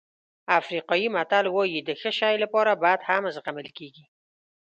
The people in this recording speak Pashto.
افریقایي متل وایي د ښه شی لپاره بد هم زغمل کېږي.